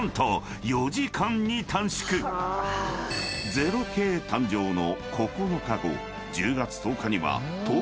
［０系誕生の］